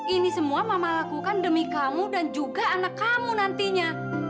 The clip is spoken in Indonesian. ini semua mama lakukan demi kamu dan juga anak kamu nantinya